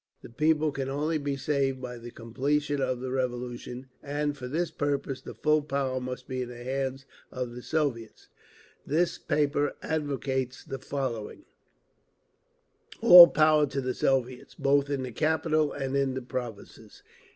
The people can only be saved by the completion of the Revolution… and for this purpose the full power must be in the hands of the Soviets…. This paper advocates the following: All power to the Soviets—both in the capital and in the provinces.